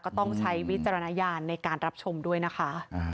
ก็ต้องใช้วิจารณญาณในการรับชมด้วยนะคะ